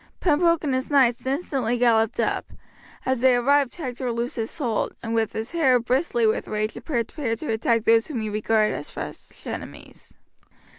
Pembroke and his knights instantly galloped up. As they arrived Hector loosed his hold, and with his hair bristly with rage prepared to attack those whom he regarded as fresh enemies.